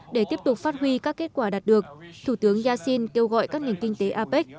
để tiếp tục phát huy các kết quả đạt được thủ tướng yassin kêu gọi các nền kinh tế apec